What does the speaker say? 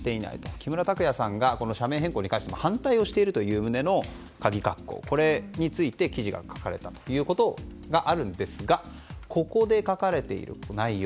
木村拓哉さんが社名変更に関して反対しているという旨これについて記事が書かれたということがありますがここで書かれている内容